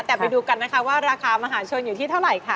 แต่ไปดูกันนะคะว่าราคามหาชนอยู่ที่เท่าไหร่ค่ะ